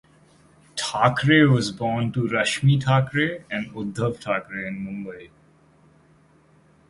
Thackeray was born to Rashmi Thackeray and Uddhav Thackeray in Mumbai.